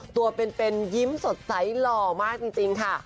ตัวเป็นยิ้มสดใสหล่อมากจริงค่ะ